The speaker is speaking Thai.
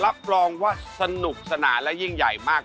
รับรองว่าสนุกสนานและยิ่งใหญ่มาก